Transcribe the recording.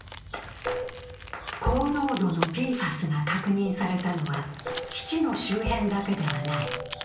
高濃度のＰＦＡＳが確認されたのは、基地の周辺だけではない。